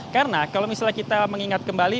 karena kalau misalnya kita mengingat kembali